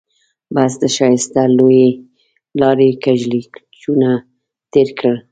بس د ښایسته لويې لارې کږلېچونه تېر کړل.